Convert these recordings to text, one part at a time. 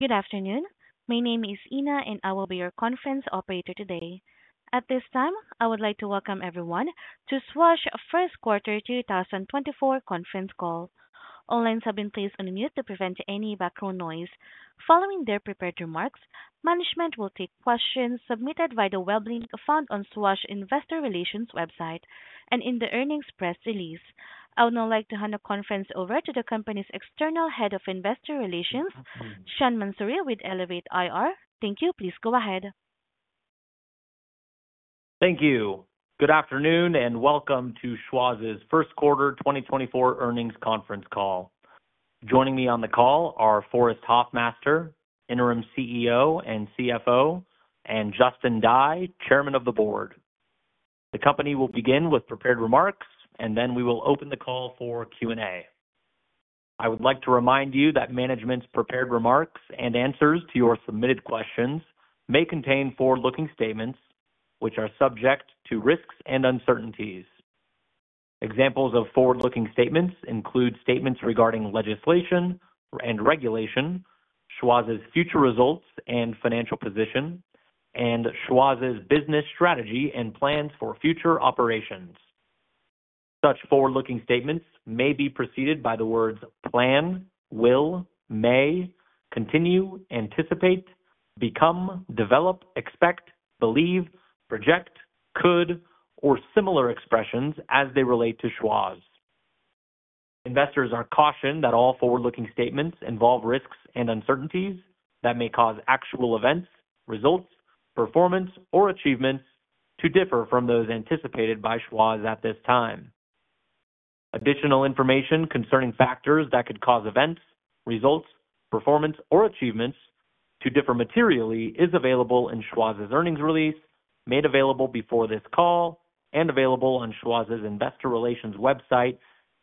Good afternoon. My name is Ina, and I will be your conference operator today. At this time, I would like to welcome everyone to Schwazze First Quarter 2024 conference call. All lines have been placed on mute to prevent any background noise. Following their prepared remarks, management will take questions submitted via the web link found on Schwazze Investor Relations website and in the earnings press release. I would now like to hand the conference over to the company's external head of Investor Relations, Sean Mansouri, with Elevate IR. Thank you. Please go ahead. Thank you. Good afternoon, and welcome to Schwazze's First Quarter 2024 earnings conference call. Joining me on the call are Forrest Hoffmaster, Interim CEO and CFO, and Justin Dye, Chairman of the Board. The company will begin with prepared remarks, and then we will open the call for Q&A. I would like to remind you that management's prepared remarks and answers to your submitted questions may contain forward-looking statements, which are subject to risks and uncertainties. Examples of forward-looking statements include statements regarding legislation and regulation, Schwazze's future results and financial position, and Schwazze's business strategy and plans for future operations. Such forward-looking statements may be preceded by the words plan, will, may, continue, anticipate, become, develop, expect, believe, project, could, or similar expressions as they relate to Schwazze. Investors are cautioned that all forward-looking statements involve risks and uncertainties that may cause actual events, results, performance, or achievements to differ from those anticipated by Schwazze at this time. Additional information concerning factors that could cause events, results, performance, or achievements to differ materially is available in Schwazze's earnings release, made available before this call and available on Schwazze's Investor Relations website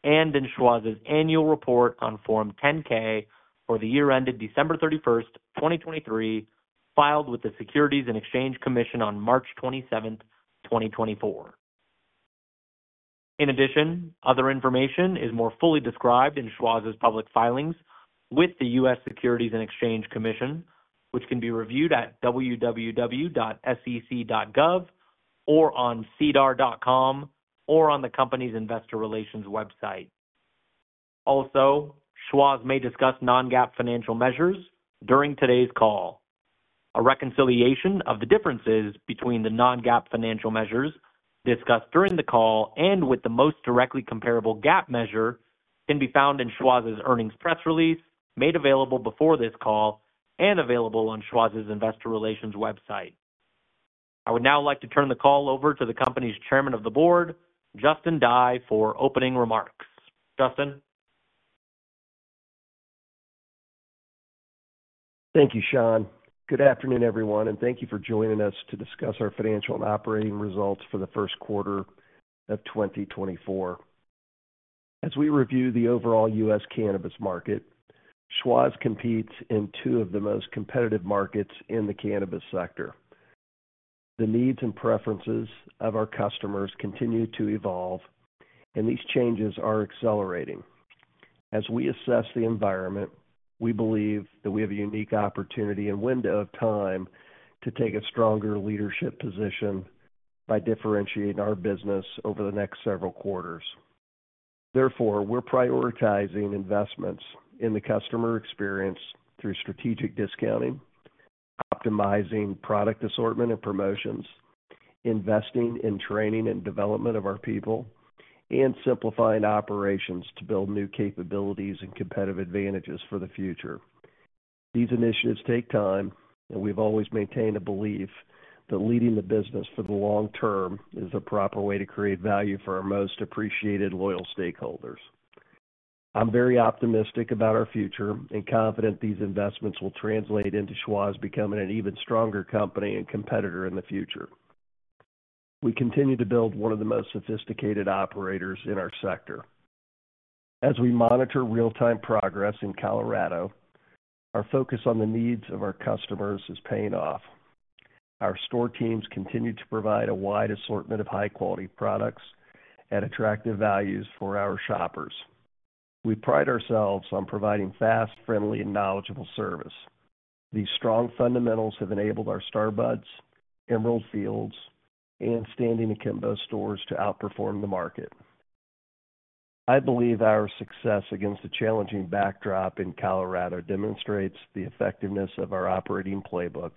and in Schwazze's annual report on Form 10-K for the year ended December 31, 2023, filed with the Securities and Exchange Commission on March 27, 2024. In addition, other information is more fully described in Schwazze's public filings with the U.S. Securities and Exchange Commission, which can be reviewed at www.sec.gov or on sedar.com or on the company's investor relations website. Also, Schwazze may discuss non-GAAP financial measures during today's call. A reconciliation of the differences between the non-GAAP financial measures discussed during the call and with the most directly comparable GAAP measure can be found in Schwazze's earnings press release, made available before this call and available on Schwazze's Investor Relations website. I would now like to turn the call over to the company's chairman of the board, Justin Dye, for opening remarks. Justin? Thank you, Sean. Good afternoon, everyone, and thank you for joining us to discuss our financial and operating results for the first quarter of 2024. As we review the overall U.S. cannabis market, Schwazze competes in two of the most competitive markets in the cannabis sector. The needs and preferences of our customers continue to evolve, and these changes are accelerating. As we assess the environment, we believe that we have a unique opportunity and window of time to take a stronger leadership position by differentiating our business over the next several quarters. Therefore, we're prioritizing investments in the customer experience through strategic discounting, optimizing product assortment and promotions, investing in training and development of our people, and simplifying operations to build new capabilities and competitive advantages for the future. These initiatives take time, and we've always maintained a belief that leading the business for the long term is the proper way to create value for our most appreciated, loyal stakeholders. I'm very optimistic about our future and confident these investments will translate into Schwazze becoming an even stronger company and competitor in the future. We continue to build one of the most sophisticated operators in our sector. As we monitor real-time progress in Colorado, our focus on the needs of our customers is paying off. Our store teams continue to provide a wide assortment of high-quality products at attractive values for our shoppers. We pride ourselves on providing fast, friendly, and knowledgeable service. These strong fundamentals have enabled our Star Buds, Emerald Fields, and Standing Akimbo stores to outperform the market. I believe our success against a challenging backdrop in Colorado demonstrates the effectiveness of our operating playbook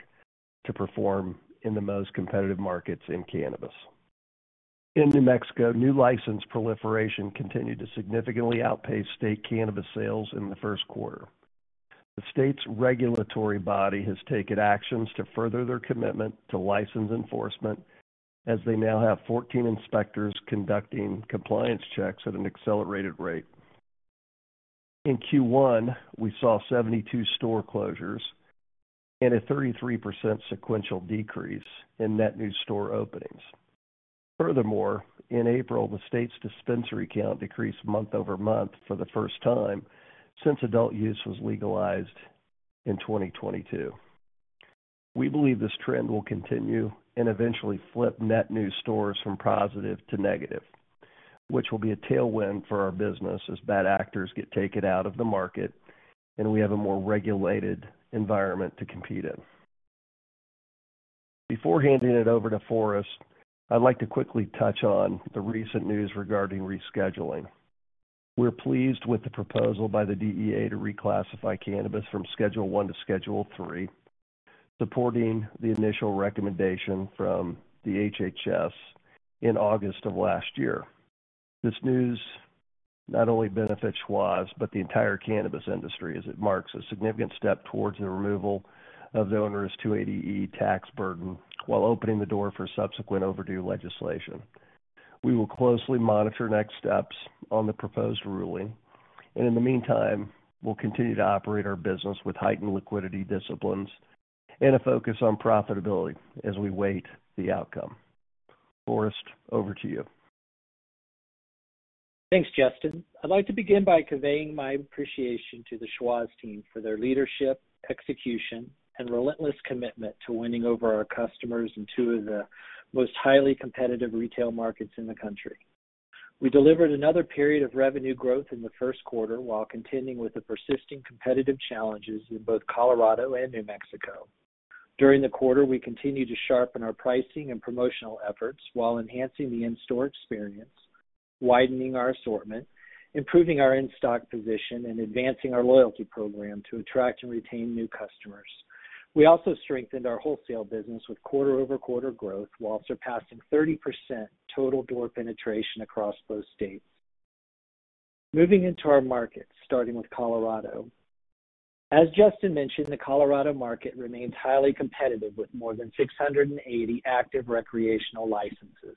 to perform in the most competitive markets in cannabis. In New Mexico, new license proliferation continued to significantly outpace state cannabis sales in the first quarter. The state's regulatory body has taken actions to further their commitment to license enforcement, as they now have 14 inspectors conducting compliance checks at an accelerated rate. In Q1, we saw 72 store closures and a 33% sequential decrease in net new store openings. Furthermore, in April, the state's dispensary count decreased month-over-month for the first time since adult use was legalized in 2022. We believe this trend will continue and eventually flip net new stores from positive to negative, which will be a tailwind for our business as bad actors get taken out of the market, and we have a more regulated environment to compete in. Before handing it over to Forrest, I'd like to quickly touch on the recent news regarding rescheduling. We're pleased with the proposal by the DEA to reclassify cannabis from Schedule I to Schedule III, supporting the initial recommendation from the HHS in August of last year. This news not only benefits Schwazze, but the entire cannabis industry, as it marks a significant step towards the removal of the onerous 280E tax burden, while opening the door for subsequent overdue legislation. We will closely monitor next steps on the proposed ruling, and in the meantime, we'll continue to operate our business with heightened liquidity disciplines and a focus on profitability as we wait the outcome. Forrest, over to you. Thanks, Justin. I'd like to begin by conveying my appreciation to the Schwazze team for their leadership, execution, and relentless commitment to winning over our customers in two of the most highly competitive retail markets in the country. We delivered another period of revenue growth in the first quarter, while continuing with the persisting competitive challenges in both Colorado and New Mexico. During the quarter, we continued to sharpen our pricing and promotional efforts while enhancing the in-store experience, widening our assortment, improving our in-stock position, and advancing our loyalty program to attract and retain new customers. We also strengthened our wholesale business with quarter-over-quarter growth, while surpassing 30% total door penetration across those states. Moving into our markets, starting with Colorado. As Justin mentioned, the Colorado market remains highly competitive, with more than 680 active recreational licenses,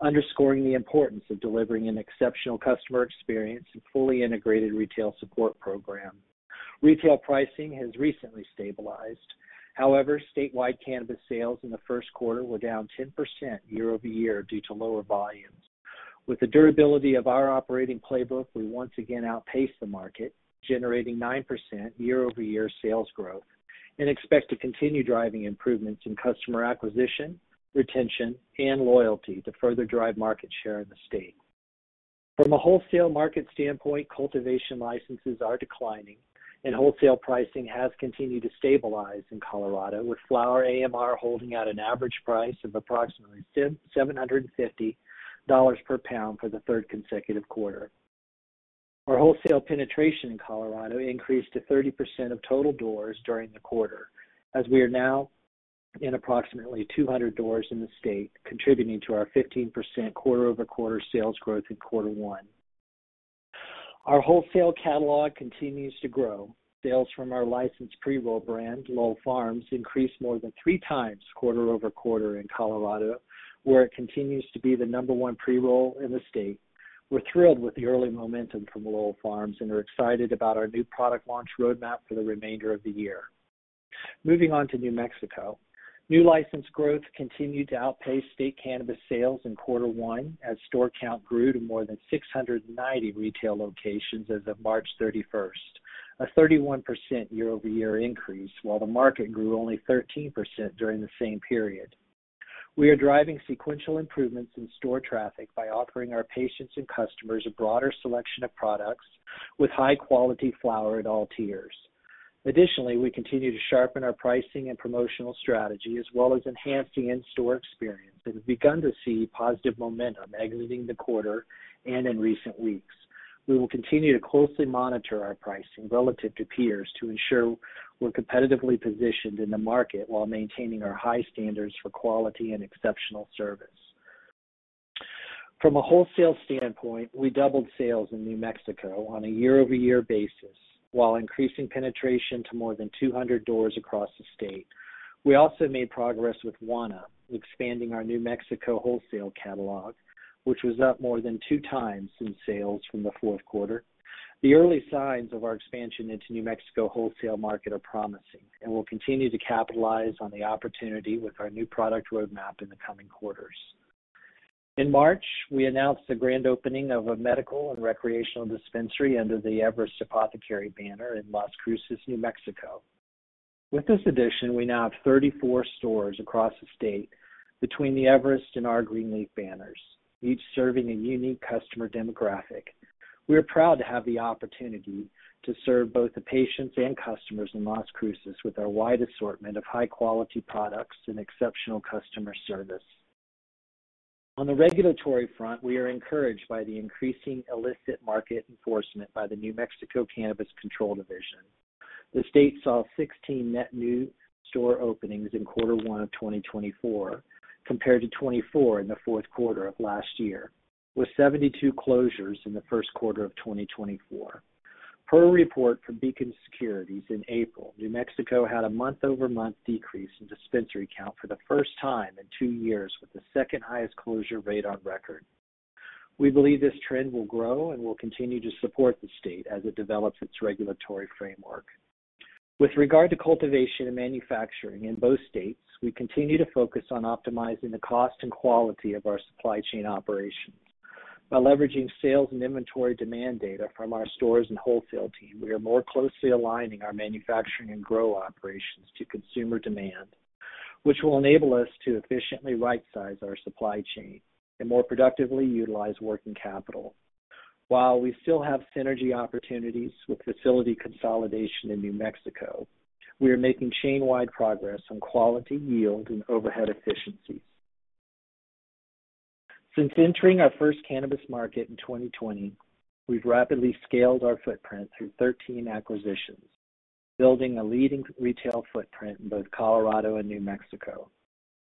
underscoring the importance of delivering an exceptional customer experience and fully integrated retail support program. Retail pricing has recently stabilized. However, statewide cannabis sales in the first quarter were down 10% year-over-year due to lower volumes. With the durability of our operating playbook, we once again outpaced the market, generating 9% year-over-year sales growth, and expect to continue driving improvements in customer acquisition, retention, and loyalty to further drive market share in the state. From a wholesale market standpoint, cultivation licenses are declining, and wholesale pricing has continued to stabilize in Colorado, with flower AMR holding at an average price of approximately $750 per pound for the third consecutive quarter. Our wholesale penetration in Colorado increased to 30% of total doors during the quarter, as we are now in approximately 200 doors in the state, contributing to our 15% quarter-over-quarter sales growth in quarter one. Our wholesale catalog continues to grow. Sales from our licensed pre-roll brand, Lowell Farms, increased more than three times quarter over quarter in Colorado, where it continues to be the number one pre-roll in the state. We're thrilled with the early momentum from Lowell Farms and are excited about our new product launch roadmap for the remainder of the year. Moving on to New Mexico. New license growth continued to outpace state cannabis sales in quarter one, as store count grew to more than 690 retail locations as of March 31, a 31% year-over-year increase, while the market grew only 13% during the same period. We are driving sequential improvements in store traffic by offering our patients and customers a broader selection of products with high-quality flower at all tiers. Additionally, we continue to sharpen our pricing and promotional strategy, as well as enhance the in-store experience, and have begun to see positive momentum exiting the quarter and in recent weeks. We will continue to closely monitor our pricing relative to peers to ensure we're competitively positioned in the market, while maintaining our high standards for quality and exceptional service. From a wholesale standpoint, we doubled sales in New Mexico on a year-over-year basis, while increasing penetration to more than 200 doors across the state. We also made progress with Wana, expanding our New Mexico wholesale catalog, which was up more than 2 times in sales from the fourth quarter. The early signs of our expansion into New Mexico wholesale market are promising, and we'll continue to capitalize on the opportunity with our new product roadmap in the coming quarters. In March, we announced the grand opening of a medical and recreational dispensary under the Everest Apothecary banner in Las Cruces, New Mexico. With this addition, we now have 34 stores across the state between the Everest and our R. Greenleaf banners, each serving a unique customer demographic. We are proud to have the opportunity to serve both the patients and customers in Las Cruces with our wide assortment of high-quality products and exceptional customer service. On the regulatory front, we are encouraged by the increasing illicit market enforcement by the New Mexico Cannabis Control Division. The state saw 16 net new store openings in quarter one of 2024, compared to 24 in the fourth quarter of last year, with 72 closures in the first quarter of 2024. Per a report from Beacon Securities in April, New Mexico had a month-over-month decrease in dispensary count for the first time in two years, with the second highest closure rate on record. We believe this trend will grow and will continue to support the state as it develops its regulatory framework. With regard to cultivation and manufacturing in both states, we continue to focus on optimizing the cost and quality of our supply chain operations.... By leveraging sales and inventory demand data from our stores and wholesale team, we are more closely aligning our manufacturing and grow operations to consumer demand, which will enable us to efficiently right-size our supply chain and more productively utilize working capital. While we still have synergy opportunities with facility consolidation in New Mexico, we are making chain-wide progress on quality, yield, and overhead efficiencies. Since entering our first cannabis market in 2020, we've rapidly scaled our footprint through 13 acquisitions, building a leading retail footprint in both Colorado and New Mexico.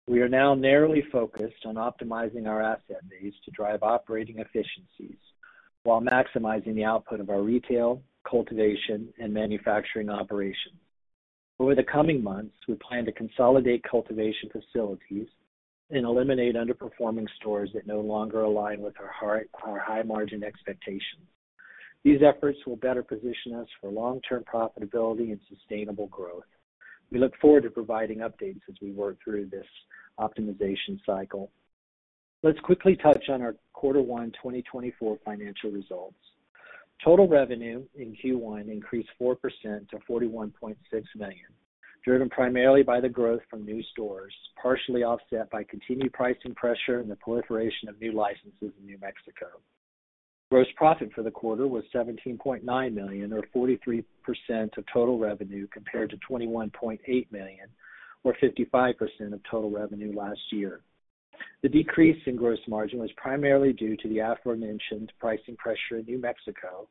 We are now narrowly focused on optimizing our asset base to drive operating efficiencies while maximizing the output of our retail, cultivation, and manufacturing operations. Over the coming months, we plan to consolidate cultivation facilities and eliminate underperforming stores that no longer align with our high, our high-margin expectations. These efforts will better position us for long-term profitability and sustainable growth. We look forward to providing updates as we work through this optimization cycle. Let's quickly touch on our Quarter One 2024 financial results. Total revenue in Q1 increased 4% to $41.6 million, driven primarily by the growth from new stores, partially offset by continued pricing pressure and the proliferation of new licenses in New Mexico. Gross profit for the quarter was $17.9 million, or 43% of total revenue, compared to $21.8 million, or 55% of total revenue last year. The decrease in gross margin was primarily due to the aforementioned pricing pressure in New Mexico,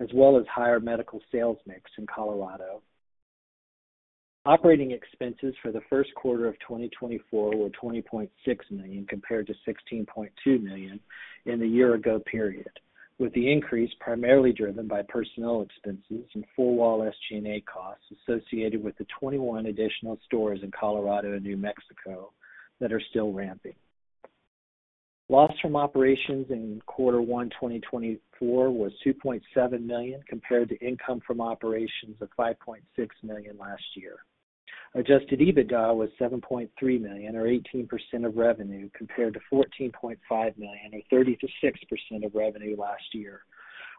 as well as higher medical sales mix in Colorado. Operating expenses for the first quarter of 2024 were $20.6 million, compared to $16.2 million in the year-ago period, with the increase primarily driven by personnel expenses and overall SG&A costs associated with the 21 additional stores in Colorado and New Mexico that are still ramping. Loss from operations in Q1 2024 was $2.7 million, compared to income from operations of $5.6 million last year. Adjusted EBITDA was $7.3 million, or 18% of revenue, compared to $14.5 million, or 36% of revenue last year,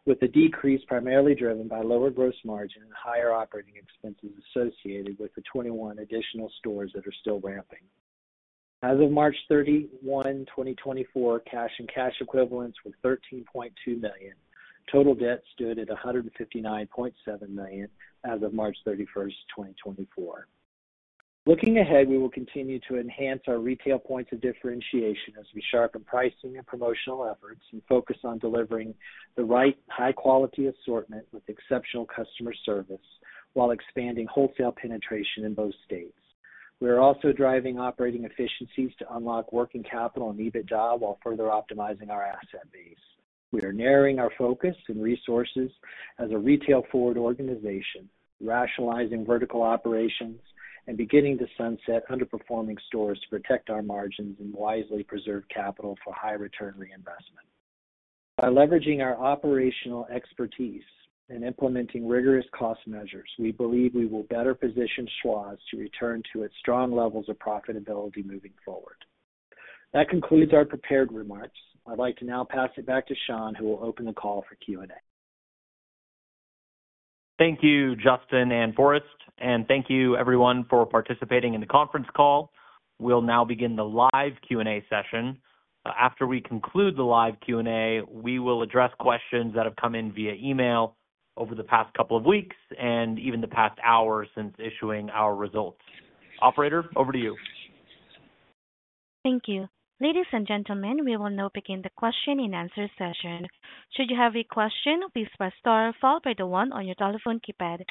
with the decrease primarily driven by lower gross margin and higher operating expenses associated with the 21 additional stores that are still ramping. As of March 31, 2024, cash and cash equivalents were $13.2 million. Total debt stood at $159.7 million as of March 31, 2024. Looking ahead, we will continue to enhance our retail points of differentiation as we sharpen pricing and promotional efforts and focus on delivering the right high-quality assortment with exceptional customer service, while expanding wholesale penetration in both states. We are also driving operating efficiencies to unlock working capital and EBITDA, while further optimizing our asset base. We are narrowing our focus and resources as a retail-forward organization, rationalizing vertical operations and beginning to sunset underperforming stores to protect our margins and wisely preserve capital for high-return reinvestment. By leveraging our operational expertise and implementing rigorous cost measures, we believe we will better position Schwazze to return to its strong levels of profitability moving forward. That concludes our prepared remarks. I'd like to now pass it back to Sean, who will open the call for Q&A. Thank you, Justin and Forrest, and thank you everyone for participating in the conference call. We'll now begin the live Q&A session. After we conclude the live Q&A, we will address questions that have come in via email over the past couple of weeks and even the past hour since issuing our results. Operator, over to you. Thank you. Ladies and gentlemen, we will now begin the question-and-answer session. Should you have a question, please press star followed by the 1 on your telephone keypad.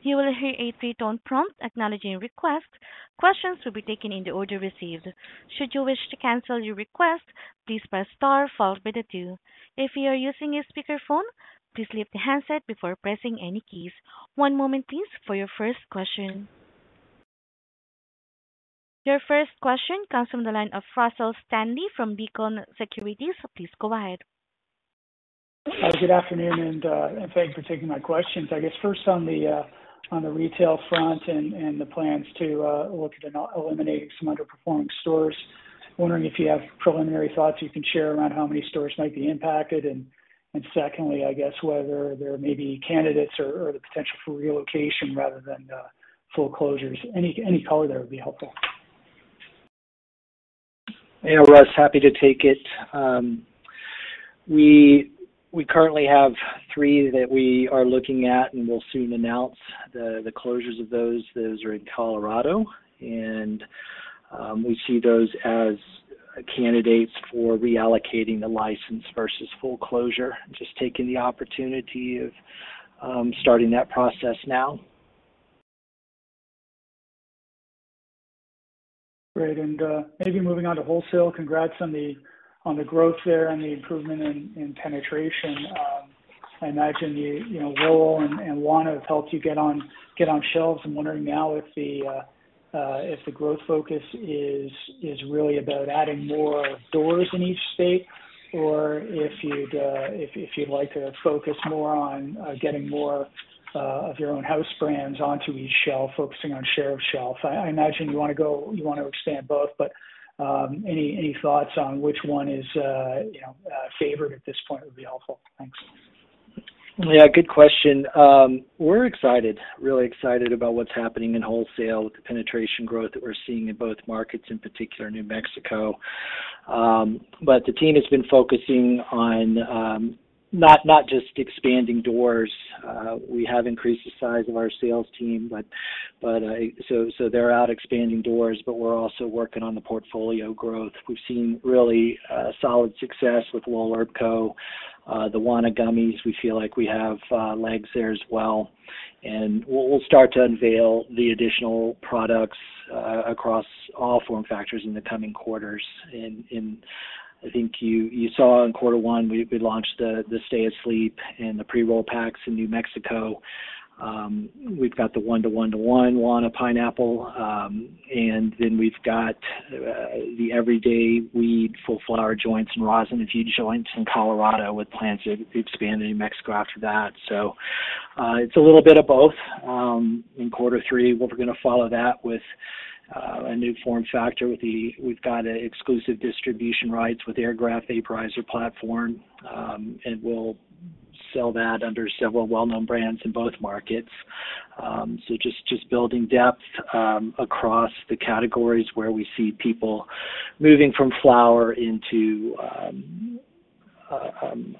You will hear a 3-tone prompt acknowledging your request. Questions will be taken in the order received. Should you wish to cancel your request, please press star followed by the 2. If you are using a speakerphone, please leave the handset before pressing any keys. One moment, please, for your first question. Your first question comes from the line of Russell Stanley from Beacon Securities. Please go ahead. Good afternoon, and thank you for taking my questions. I guess first on the retail front and the plans to look at eliminating some underperforming stores, wondering if you have preliminary thoughts you can share around how many stores might be impacted? And secondly, I guess whether there may be candidates or the potential for relocation rather than full closures. Any color there would be helpful. Hey, Russ, happy to take it. We currently have three that we are looking at, and we'll soon announce the closures of those. Those are in Colorado, and we see those as candidates for reallocating the license versus full closure. Just taking the opportunity of starting that process now. Great. And maybe moving on to wholesale. Congrats on the growth there and the improvement in penetration. I imagine, you know, Lowell and Wana have helped you get on shelves. I'm wondering now if the growth focus is really about adding more doors in each state or if you'd like to focus more on getting more of your own house brands onto each shelf, focusing on share of shelf. I imagine you want to expand both, but any thoughts on which one is, you know, favored at this point would be helpful. Thanks.... Yeah, good question. We're excited, really excited about what's happening in wholesale with the penetration growth that we're seeing in both markets, in particular, New Mexico. But the team has been focusing on not just expanding doors. We have increased the size of our sales team, but so they're out expanding doors, but we're also working on the portfolio growth. We've seen really solid success with Lowell Farms. The Wana gummies, we feel like we have legs there as well, and we'll start to unveil the additional products across all form factors in the coming quarters. And I think you saw in quarter one, we launched the Stay Asleep and the pre-roll packs in New Mexico. We've got the 1-to-1-to-1 Wana pineapple, and then we've got the everyday weed, full flower joints and rosin and THC joints in Colorado, with plans to expand to New Mexico after that. So, it's a little bit of both. In quarter three, we're gonna follow that with a new form factor. We've got exclusive distribution rights with Airgraft vaporizer platform, and we'll sell that under several well-known brands in both markets. So just, just building depth across the categories where we see people moving from flower into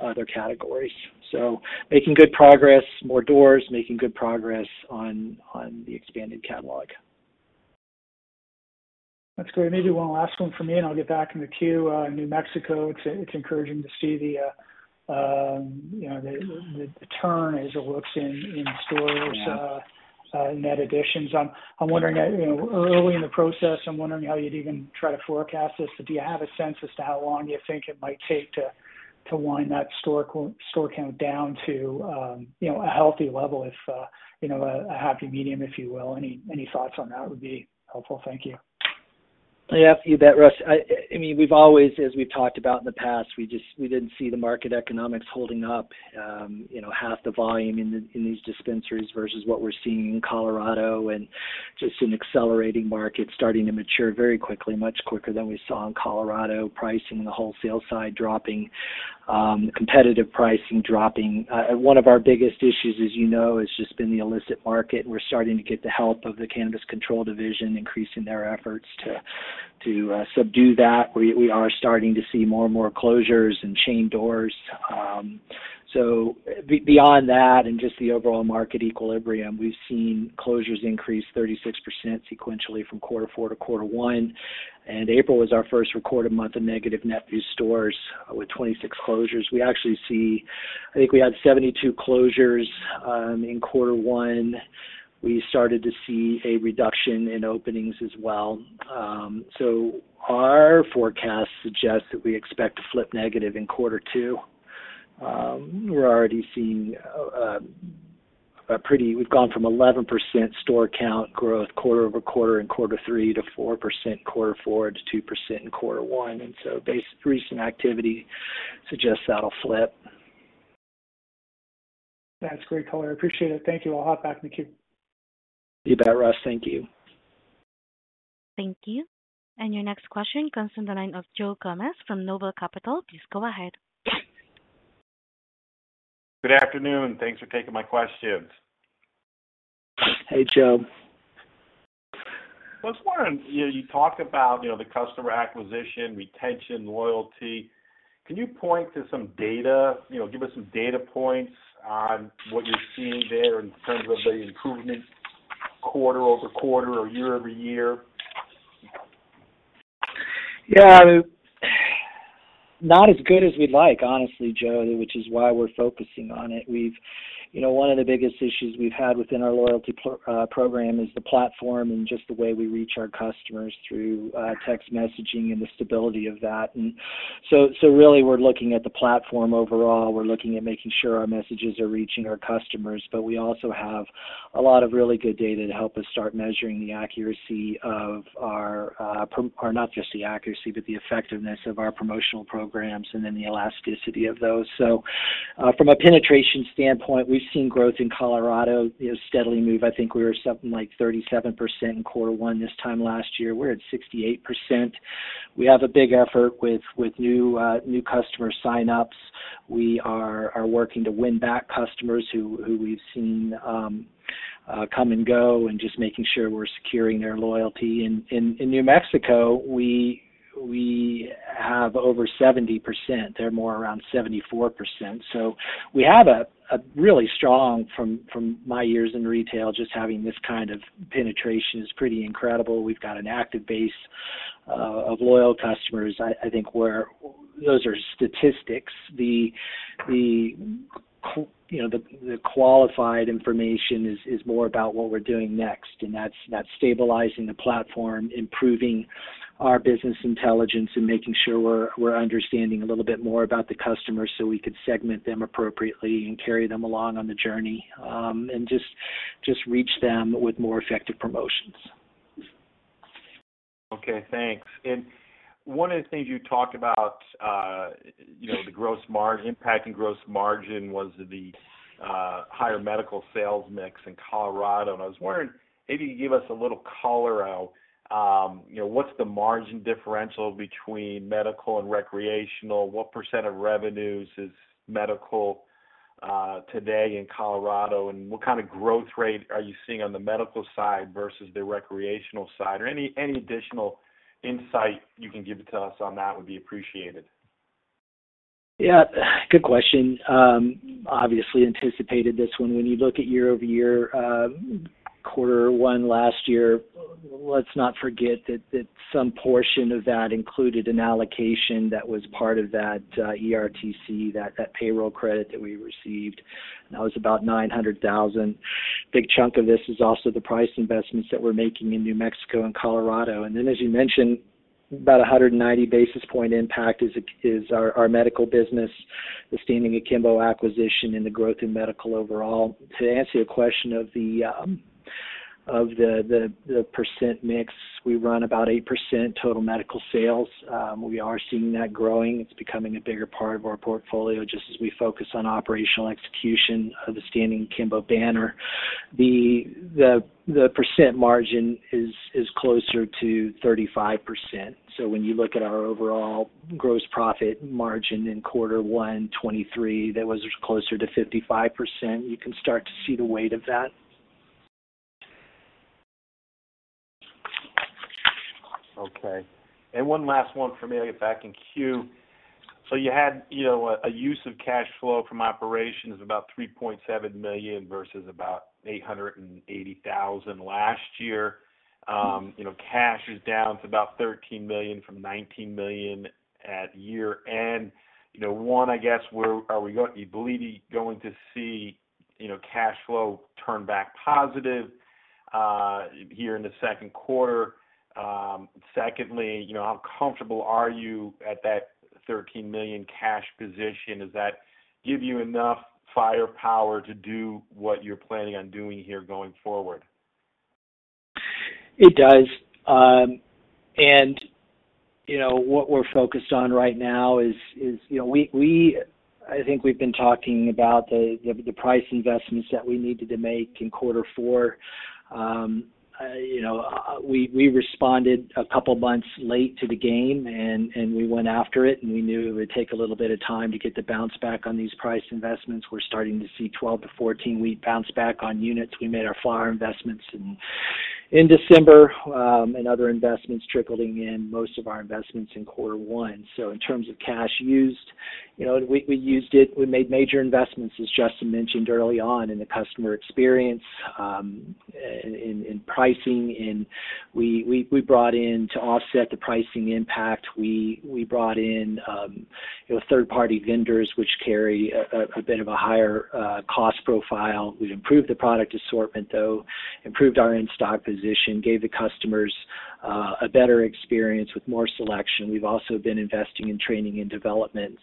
other categories. So making good progress, more doors, making good progress on the expanded catalog. That's great. Maybe one last one from me, and I'll get back in the queue. New Mexico, it's encouraging to see the, you know, the turn as it looks in stores. Yeah. Net additions. I'm wondering, you know, early in the process, I'm wondering how you'd even try to forecast this. Do you have a sense as to how long you think it might take to wind that store count down to, you know, a healthy level if, you know, a happy medium, if you will? Any thoughts on that would be helpful. Thank you. Yeah, you bet, Russ. I mean, we've always, as we've talked about in the past, we just -- we didn't see the market economics holding up, you know, half the volume in these dispensaries versus what we're seeing in Colorado, and just an accelerating market starting to mature very quickly, much quicker than we saw in Colorado. Pricing on the wholesale side dropping, competitive pricing dropping. One of our biggest issues, as you know, has just been the illicit market. We're starting to get the help of the Cannabis Control Division, increasing their efforts to subdue that. We are starting to see more and more closures and chain doors. So, beyond that and just the overall market equilibrium, we've seen closures increase 36% sequentially from quarter four to quarter one, and April was our first recorded month of negative net new stores with 26 closures. We actually see I think we had 72 closures in quarter one. We started to see a reduction in openings as well. So, our forecast suggests that we expect to flip negative in quarter two. We're already seeing a pretty we've gone from 11% store count growth quarter-over-quarter in quarter three, to 4% quarter four, to 2% in quarter one, and so based, recent activity suggests that'll flip. That's great, Tyler. I appreciate it. Thank you. I'll hop back in the queue. You bet, Russ. Thank you. Thank you, and your next question comes from the line of Joe Gomez from Noble Capital. Please go ahead. Good afternoon. Thanks for taking my questions. Hey, Joe. I was wondering, you know, you talked about, you know, the customer acquisition, retention, loyalty. Can you point to some data, you know, give us some data points on what you're seeing there in terms of the improvement quarter-over-quarter or year-over-year? Yeah. Not as good as we'd like, honestly, Joe, which is why we're focusing on it. We've—you know, one of the biggest issues we've had within our loyalty program is the platform and just the way we reach our customers through text messaging and the stability of that. So really, we're looking at the platform overall. We're looking at making sure our messages are reaching our customers, but we also have a lot of really good data to help us start measuring the accuracy of our promotional or not just the accuracy, but the effectiveness of our promotional programs and then the elasticity of those. So from a penetration standpoint, we've seen growth in Colorado, you know, steadily move. I think we were something like 37% in quarter one this time last year, we're at 68%. We have a big effort with new customer sign-ups. We are working to win back customers who we've seen come and go, and just making sure we're securing their loyalty. In New Mexico, we have over 70%. They're more around 74%, so we have a really strong, from my years in retail, just having this kind of penetration is pretty incredible. We've got an active base of loyal customers. I think where those are statistics, you know, the qualified information is more about what we're doing next, and that's stabilizing the platform, improving our business intelligence, and making sure we're understanding a little bit more about the customer so we can segment them appropriately and carry them along on the journey, and just reach them with more effective promotions. Okay, thanks. And one of the things you talked about, you know, the gross margin impact in gross margin was the higher medical sales mix in Colorado. And I was wondering, maybe you give us a little color out, you know, what's the margin differential between medical and recreational? What % of revenues is medical today in Colorado? And what kind of growth rate are you seeing on the medical side versus the recreational side? Or any additional insight you can give to us on that would be appreciated. Yeah, good question. Obviously anticipated this one. When you look at year-over-year, quarter one last year, let's not forget that some portion of that included an allocation that was part of that ERTC, that payroll credit that we received, and that was about $900,000. Big chunk of this is also the price investments that we're making in New Mexico and Colorado. And then, as you mentioned, about 190 basis point impact is our medical business, the Standing Akimbo acquisition, and the growth in medical overall. To answer your question of the percent mix, we run about 8% total medical sales. We are seeing that growing. It's becoming a bigger part of our portfolio, just as we focus on operational execution of the Standing Akimbo banner. The percent margin is closer to 35%. So when you look at our overall gross profit margin in quarter one, 2023, that was closer to 55%. You can start to see the weight of that. Okay. And one last one for me, I get back in queue. So you had, you know, a use of cash flow from operations, about $3.7 million versus about $880,000 last year. You know, cash is down to about $13 million from $19 million at year-end. You know, one, I guess, where do you believe we're going to see, you know, cash flow turn back positive here in the second quarter? Secondly, you know, how comfortable are you at that $13 million cash position? Does that give you enough firepower to do what you're planning on doing here going forward? It does. And, you know, what we're focused on right now is, you know, we. I think we've been talking about the price investments that we needed to make in quarter four. You know, we responded a couple months late to the game, and we went after it, and we knew it would take a little bit of time to get the bounce back on these price investments. We're starting to see 12-14-week bounce back on units. We made our flower investments in December, and other investments trickling in, most of our investments in quarter one. So in terms of cash used, you know, we used it. We made major investments, as Justin mentioned early on, in the customer experience, in pricing, and we brought in to offset the pricing impact. We brought in, you know, third-party vendors, which carry a bit of a higher cost profile. We've improved the product assortment, though, improved our in-stock position, gave the customers a better experience with more selection. We've also been investing in training and development.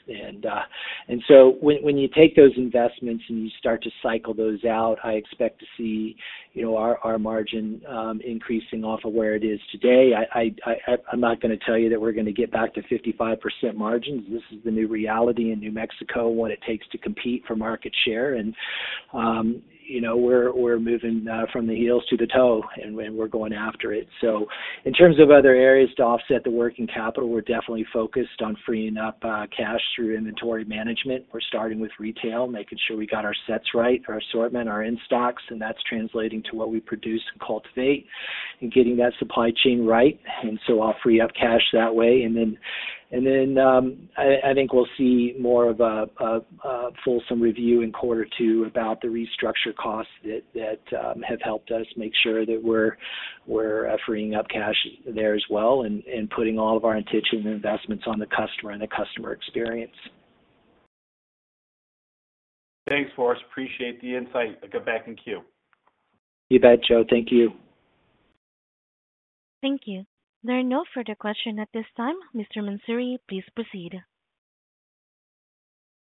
So when you take those investments and you start to cycle those out, I expect to see, you know, our margin increasing off of where it is today. I'm not gonna tell you that we're gonna get back to 55% margins. This is the new reality in New Mexico, what it takes to compete for market share. And, you know, we're moving from the heels to the toe, and we're going after it. So in terms of other areas to offset the working capital, we're definitely focused on freeing up cash through inventory management. We're starting with retail, making sure we got our sets right, our assortment, our in-stocks, and that's translating to what we produce and cultivate and getting that supply chain right, and so I'll free up cash that way. And then, I think we'll see more of a fulsome review in quarter two about the restructure costs that have helped us make sure that we're freeing up cash there as well and putting all of our attention and investments on the customer and the customer experience. Thanks, Forrest. Appreciate the insight. I get back in queue. You bet, Joe. Thank you. Thank you. There are no further questions at this time. Mr. Mansouri, please proceed.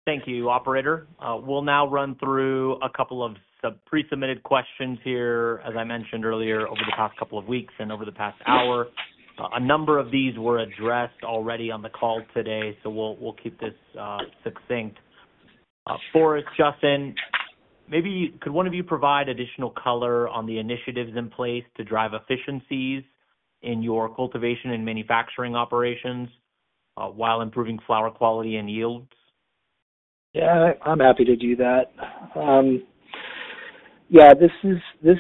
Thank you, operator. We'll now run through a couple of sub pre-submitted questions here. As I mentioned earlier, over the past couple of weeks and over the past hour, a number of these were addressed already on the call today, so we'll, we'll keep this succinct. Forrest, Justin, maybe could one of you provide additional color on the initiatives in place to drive efficiencies in your cultivation and manufacturing operations, while improving flower quality and yields? Yeah, I'm happy to do that. Yeah, this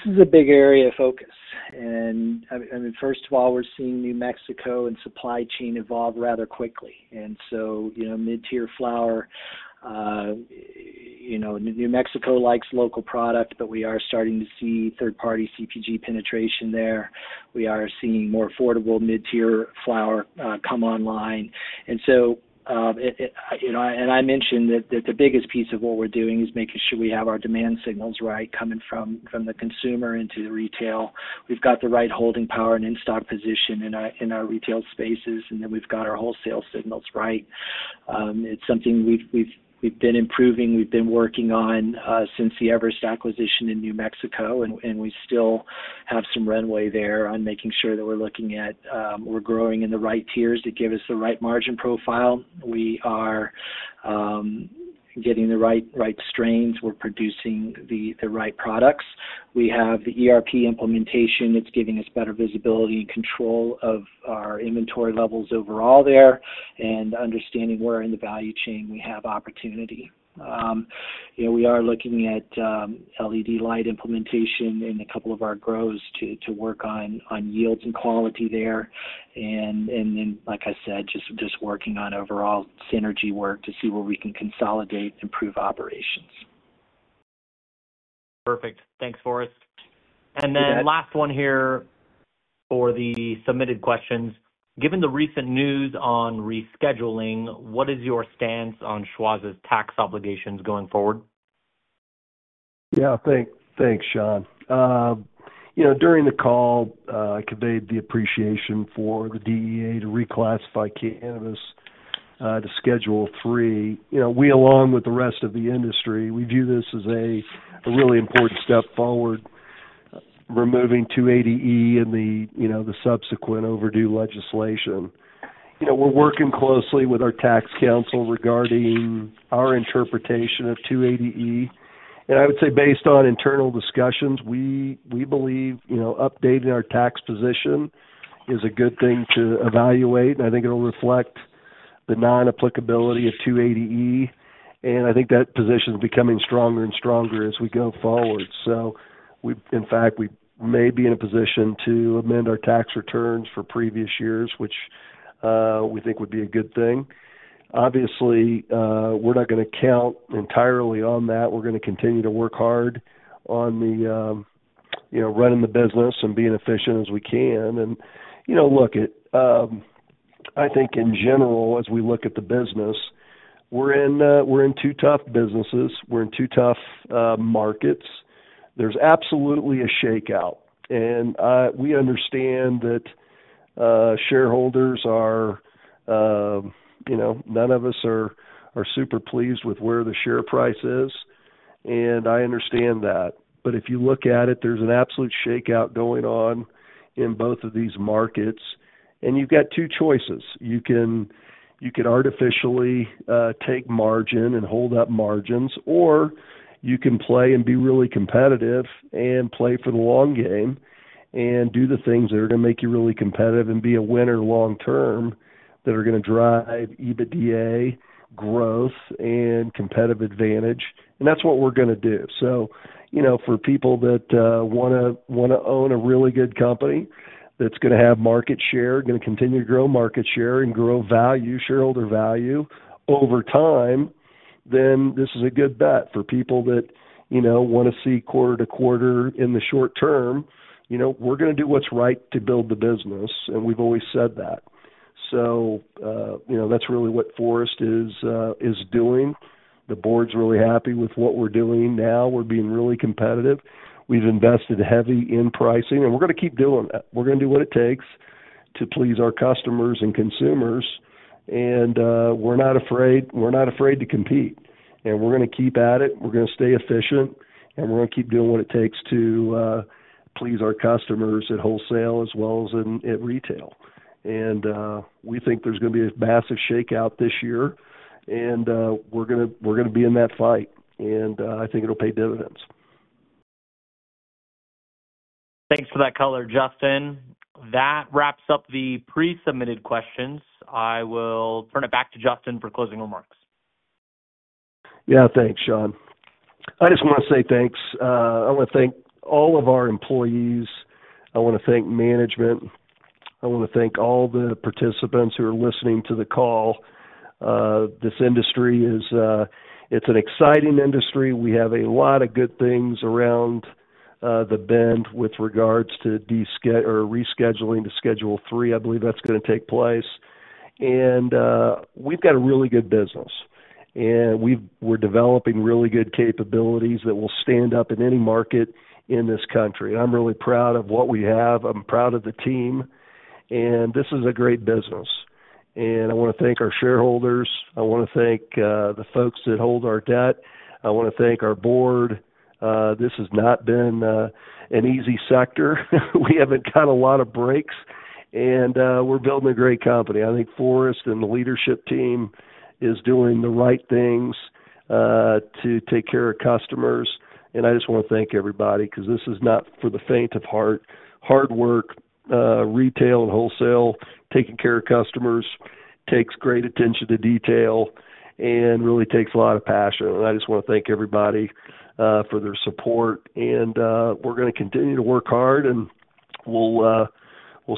is a big area of focus, and, I mean, first of all, we're seeing New Mexico and supply chain evolve rather quickly. And so, you know, mid-tier flower, you know, New Mexico likes local product, but we are starting to see third-party CPG penetration there. We are seeing more affordable mid-tier flower come online. And so, you know, and I mentioned that the biggest piece of what we're doing is making sure we have our demand signals right, coming from the consumer into the retail. We've got the right holding power and in-stock position in our retail spaces, and then we've got our wholesale signals right. It's something we've been improving, we've been working on since the Everest acquisition in New Mexico, and we still-... have some runway there on making sure that we're looking at, we're growing in the right tiers to give us the right margin profile. We are, getting the right, right strains. We're producing the, the right products. We have the ERP implementation that's giving us better visibility and control of our inventory levels overall there, and understanding where in the value chain we have opportunity. You know, we are looking at, LED light implementation in a couple of our grows to, to work on, on yields and quality there. And, and then, like I said, just, just working on overall synergy work to see where we can consolidate, improve operations. Perfect. Thanks, Forrest. You bet. And then last one here for the submitted questions: Given the recent news on rescheduling, what is your stance on Schwazze's tax obligations going forward? Yeah, thanks, Sean. You know, during the call, I conveyed the appreciation for the DEA to reclassify cannabis to Schedule III. You know, we, along with the rest of the industry, we view this as a really important step forward, removing 280E and the, you know, the subsequent overdue legislation. You know, we're working closely with our tax counsel regarding our interpretation of 280E. And I would say based on internal discussions, we, we believe, you know, updating our tax position is a good thing to evaluate. I think it'll reflect the non-applicability of 280E, and I think that position is becoming stronger and stronger as we go forward. So, in fact, we may be in a position to amend our tax returns for previous years, which, we think would be a good thing. Obviously, we're not gonna count entirely on that. We're gonna continue to work hard on the, you know, running the business and being efficient as we can. And, you know, look, it, I think in general, as we look at the business, we're in, we're in two tough businesses. We're in two tough markets. There's absolutely a shakeout, and, we understand that, shareholders are, you know, none of us are super pleased with where the share price is, and I understand that. But if you look at it, there's an absolute shakeout going on in both of these markets, and you've got two choices: You can, you can artificially, take margin and hold up margins, or you can play and be really competitive and play for the long game and do the things that are gonna make you really competitive and be a winner long term, that are gonna drive EBITDA growth and competitive advantage. And that's what we're gonna do. So, you know, for people that, want to, want to own a really good company that's gonna have market share, gonna continue to grow market share and grow value, shareholder value over time, then this is a good bet. For people that, you know, want to see quarter to quarter in the short term, you know, we're gonna do what's right to build the business, and we've always said that. So, you know, that's really what Forrest is doing. The board's really happy with what we're doing now. We're being really competitive. We've invested heavy in pricing, and we're gonna keep doing that. We're gonna do what it takes to please our customers and consumers, and we're not afraid, we're not afraid to compete, and we're gonna keep at it. We're gonna stay efficient, and we're gonna keep doing what it takes to please our customers at wholesale as well as in at retail. And we think there's gonna be a massive shakeout this year, and we're gonna be in that fight, and I think it'll pay dividends. Thanks for that color, Justin. That wraps up the pre-submitted questions. I will turn it back to Justin for closing remarks. Yeah, thanks, Sean. I just want to say thanks. I want to thank all of our employees. I want to thank management. I want to thank all the participants who are listening to the call. This industry is, it's an exciting industry. We have a lot of good things around the bend with regards to desche- or rescheduling to Schedule III. I believe that's gonna take place. We've got a really good business, and we're developing really good capabilities that will stand up in any market in this country. I'm really proud of what we have. I'm proud of the team, and this is a great business. I want to thank our shareholders. I want to thank the folks that hold our debt. I want to thank our board. This has not been an easy sector. We haven't got a lot of breaks, and we're building a great company. I think Forrest and the leadership team is doing the right things to take care of customers, and I just want to thank everybody, because this is not for the faint of heart. Hard work, retail and wholesale, taking care of customers takes great attention to detail and really takes a lot of passion. And I just want to thank everybody for their support, and we're gonna continue to work hard, and we'll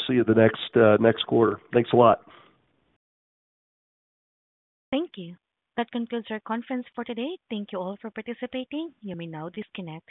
see you the next quarter. Thanks a lot. Thank you. That concludes our conference for today. Thank you all for participating. You may now disconnect.